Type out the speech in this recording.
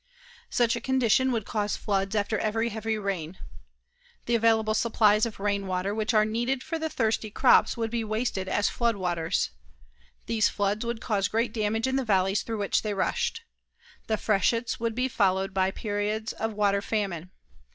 Such a condition would cause floods after every heavy rain. The available supplies of rainwater which are needed for the thirsty crops would be wasted as flood waters. These floods would cause great damage in the valleys through which they rushed. The freshets would be followed by periods of water famine.